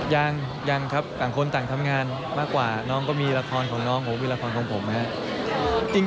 ยังยังครับต่างคนต่างทำงานมากกว่าน้องก็มีละครของน้องผมมีละครของผมนะครับ